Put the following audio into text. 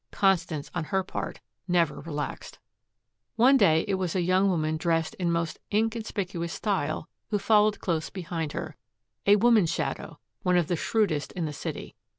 Constance on her part never relaxed. One day it was a young woman dressed in most inconspicuous style who followed close behind her, a woman shadow, one of the shrewdest in the city.